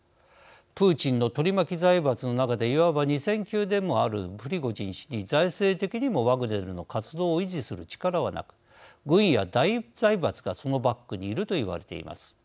プーチンの取り巻き財閥の中でいわば二線級でもあるプリゴジン氏に財政的にもワグネルの活動を維持する力はなく軍や大財閥が、そのバックにいると言われています。